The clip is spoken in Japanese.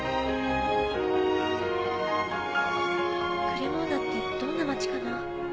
クレモーナってどんな町かな。